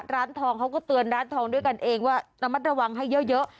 ร้านทองเขาก็เตือนร้านทองด้วยกันเองว่าระมัดระวังให้เยอะ